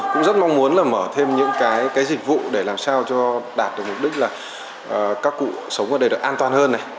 cũng rất mong muốn mở thêm những dịch vụ để làm sao cho đạt được mục đích là các cụ sống ở đây được an toàn hơn